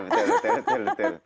nah itu betul